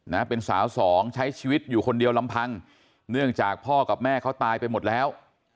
นะเป็นสาวสองใช้ชีวิตอยู่คนเดียวลำพังเนื่องจากพ่อกับแม่เขาตายไปหมดแล้ว